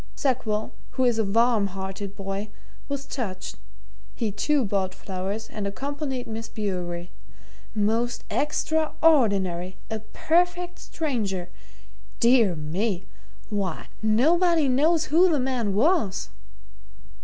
Sackville, who is a warm hearted boy, was touched he, too, bought flowers and accompanied Miss Bewery. Most extraordinary! A perfect stranger! Dear me why, nobody knows who the man was!"